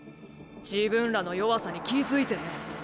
自分らの弱さに気付いてねえ。